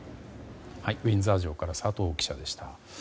ウィンザー城から佐藤記者でした。